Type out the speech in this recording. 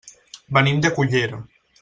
Venim de Cullera.